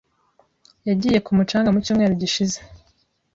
yagiye ku mucanga mu cyumweru gishize.